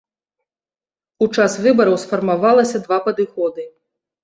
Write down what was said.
У час выбараў сфармавалася два падыходы.